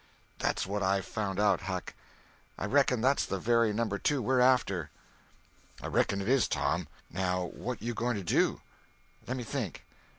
"That's what I've found out, Huck. I reckon that's the very No. 2 we're after." "I reckon it is, Tom. Now what you going to do?" "Lemme think."